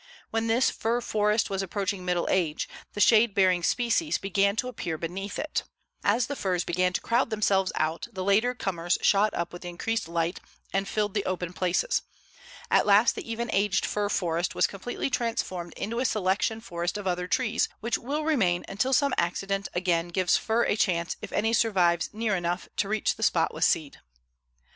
When this fir forest was approaching middle age, the shade bearing species began to appear beneath it. As the firs began to crowd themselves out, the later comers shot up with the increased light and filled the open places. At last the even aged fir forest was completely transformed into a selection forest of other trees, which will remain until some accident again gives fir a chance if any survives near enough to reach the spot with seed.